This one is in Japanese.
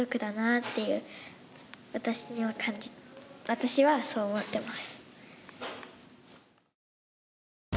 私はそう思ってます。